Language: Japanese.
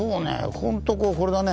ここんとここれだね。